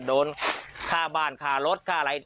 โดนค่าบ้านค่ารถค่าอะไร